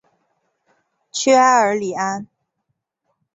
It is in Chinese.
屈埃尔里安。